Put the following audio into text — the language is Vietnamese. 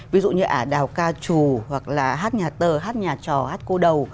ví dụ như ả đào ca trù hoặc là hát nhạc tờ hát nhạc trò hát cô đầu